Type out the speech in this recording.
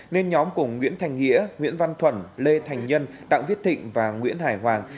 nên nhóm cùng nguyễn thành nghĩa nguyễn văn thuẩn lê thành nhân đặng viết thịnh và nguyễn hải hoàng